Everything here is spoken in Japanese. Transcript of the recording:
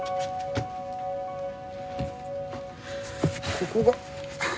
ここが。